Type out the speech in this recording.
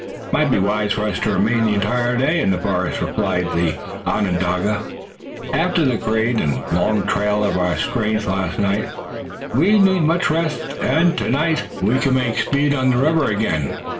"It might be wise for us to remain the entire day in the forest," replied the Onondaga. "After the great and long trial of our strength last night, we need much rest. And tonight we can make speed on the river again.